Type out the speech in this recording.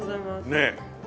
ねえ。